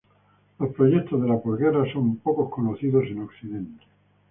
Los proyectos de las postguerra son poco conocidos en occidente.